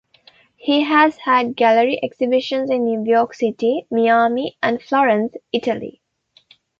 He has had gallery exhibitions in New York City, Miami, and Florence, Italy.